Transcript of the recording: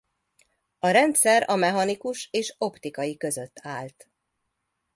A rendszer a mechanikus és optikai között állt.